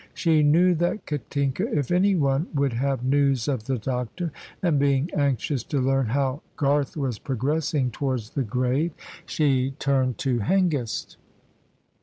She knew that Katinka, if any one, would have news of the doctor, and being anxious to learn how Garth was progressing towards the grave, she turned to Hengist.